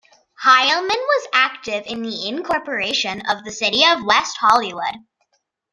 Heilman was active in the incorporation of the City of West Hollywood.